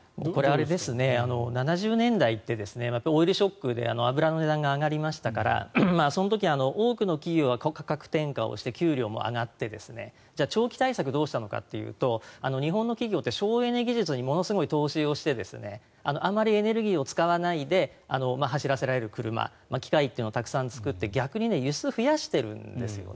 ７０年代ってオイルショックで油の値段が上がりましたからその時、多くの企業は価格転嫁をして給料も上がってじゃあ長期対策どうしたのかというと日本の企業って省エネ技術にものすごく投資をしてあまりエネルギーを使わないで走らせられる車機械というのをたくさん作って逆に輸出を増やしているんです。